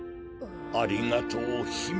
ありがとうひめ。